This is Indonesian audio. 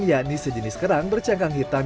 yakni sejenis kerang bercangkang hitam